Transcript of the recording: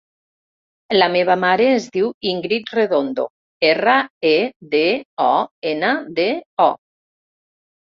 La meva mare es diu Íngrid Redondo: erra, e, de, o, ena, de, o.